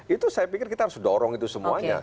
itu saya pikir kita harus dorong itu semuanya